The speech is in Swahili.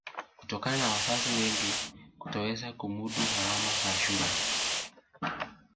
Kutokana na wazazi wengi kutoweza kumudu gharama za shule